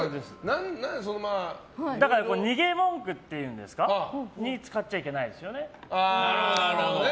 逃げ文句というんですかそれに使っちゃいけないですよね。